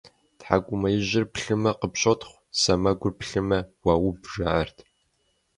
ТхьэкӀумэ ижьыр плъымэ, къыпщотхъу, сэмэгур плъымэ - уауб, жаӀэрт.